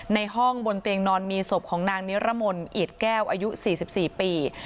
ในห้องบนเตียงนอนมีศพของนางนิรมนต์เอียดแก้วอายุ๔๔ปี